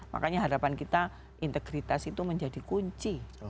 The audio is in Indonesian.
makanya harapan kita integritas itu menjadi kunci